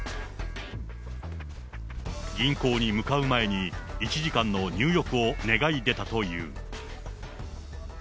銀行に向かう前に、１時間の入浴を願い出たという。